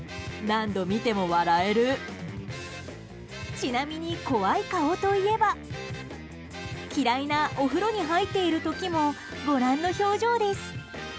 ちなみに、怖い顔といえば嫌いなお風呂に入っている時もご覧の表情です。